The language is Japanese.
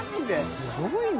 すごいな。